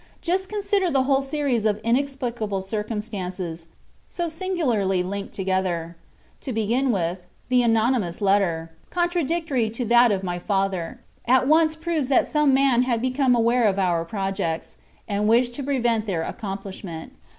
Just consider the whole series of inexplicable circumstances, so singularly linked together. To begin with, the anonymous letter, contradictory to that of my father, at once proves that some man had become aware of our projects, and wished to prevent their accomplishment.